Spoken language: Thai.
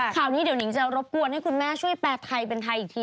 ข่าวนี้เดี๋ยวนิงจะรบกวนให้คุณแม่ช่วยแปลไทยเป็นไทยอีกที